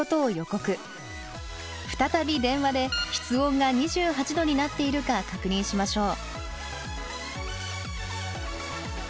再び電話で室温が２８度になっているか確認しましょう。